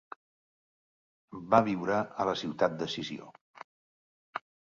Va viure a la ciutat de Sició.